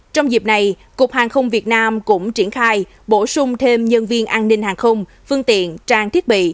trong dịp này cục hàng không việt nam cũng triển khai bổ sung thêm nhân viên an ninh hàng không phương tiện trang thiết bị